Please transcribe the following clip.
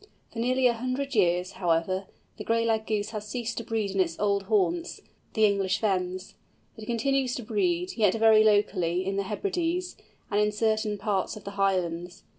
For nearly a hundred years, however, the Gray Lag Goose has ceased to breed in its old haunts, the English Fens; it continues to breed, yet very locally, in the Hebrides, and in certain parts of the Highlands.